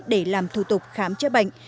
để làm thủ tục khám chữa bệnh